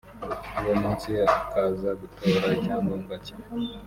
uwo munsi akaza gutora icyangombwa cye